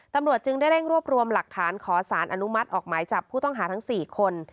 ตำรวจจึงได้เร่งรวบรวมหลักฐานขอสารอนุมัติออกหมายจับผู้ต้องหาทั้ง๔คน